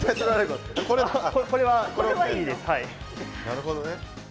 なるほどね。